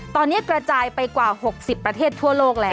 ตอนนี้กระจายไปกว่า๖๐ประเทศทั่วโลกแล้ว